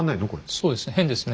そうですね。